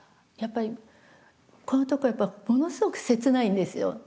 やっぱりこのところものすごく切ないんですよ。